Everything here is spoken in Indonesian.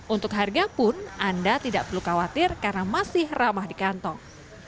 untuk harga pun anda tidak perlu khawatir karena masih ramah di kantong